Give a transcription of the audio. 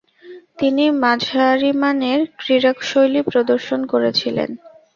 তিনি মাঝারিমানের ক্রীড়াশৈলী প্রদর্শন করেছিলেন।